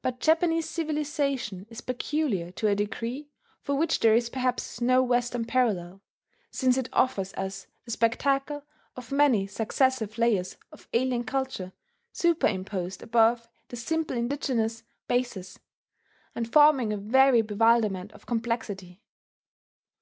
But Japanese civilization is peculiar to a degree for which there is perhaps no Western parallel, since it offers us the spectacle of many successive layers of alien culture superimposed above the simple indigenous basis, and forming a very bewilderment of complexity.